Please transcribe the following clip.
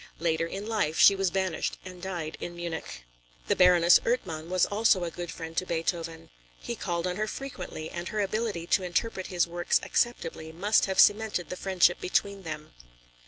Later in life she was banished and died in Munich. The Baroness Ertmann was also a good friend to Beethoven. He called on her frequently and her ability to interpret his works acceptably must have cemented the friendship between them.